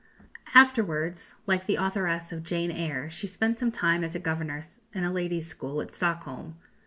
Afterwards, like the authoress of "Jane Eyre," she spent some time as a governess in a ladies' school at Stockholm.